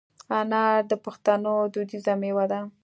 انار د پښتنو دودیزه مېوه ده.